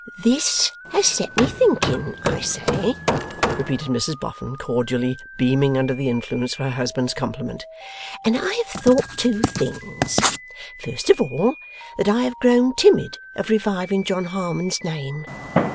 ')' This has set me thinking, I say,' repeated Mrs Boffin, cordially beaming under the influence of her husband's compliment, 'and I have thought two things. First of all, that I have grown timid of reviving John Harmon's name.